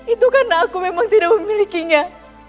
itu karena aku memang tidak memilikinya